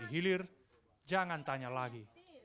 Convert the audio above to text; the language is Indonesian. di hilir jangan tanya lagi